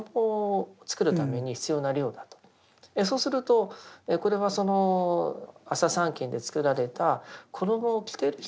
そうするとこれはその麻三斤で作られた衣を着てる人が仏なのかと。